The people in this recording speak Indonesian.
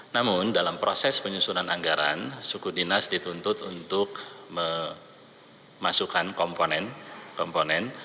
namun dalam proses penyusunan anggaran suku dinas dituntut untuk memasukkan komponen